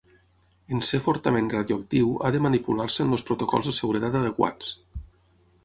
En ser fortament radioactiu ha de manipular-se amb els protocols de seguretat adequats.